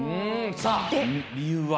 さあ理由は？